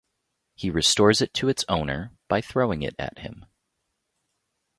He restores it to its owner by throwing it at him.